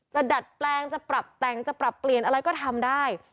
ดัดแปลงจะปรับแต่งจะปรับเปลี่ยนอะไรก็ทำได้